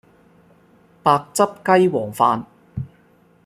白汁雞皇飯